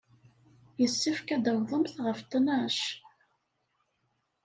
Yessefk ad tawḍemt ɣef ttnac.